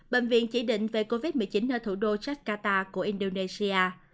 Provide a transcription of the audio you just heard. bệnh viện chỉ định về covid một mươi chín ở thủ đô jakarta của indonesia